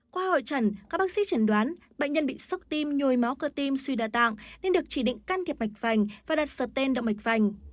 qua hội trần các bác sĩ chẩn đoán bệnh nhân bị sốc tim nhồi máu cơ tim suy đa tạng nên được chỉ định can thiệp mạch vành và đặt sọt ten động mạch vành